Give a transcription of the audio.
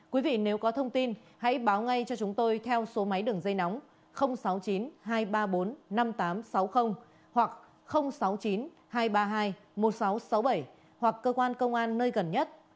quý vị nếu có thông tin hãy báo ngay cho chúng tôi theo số máy đường dây nóng sáu mươi chín hai trăm ba mươi bốn năm nghìn tám trăm sáu mươi hoặc sáu mươi chín hai trăm ba mươi hai một nghìn sáu trăm sáu mươi bảy hoặc cơ quan công an nơi gần nhất